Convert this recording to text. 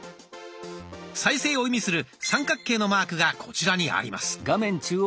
再生を意味する三角形のマークがこちらにあります。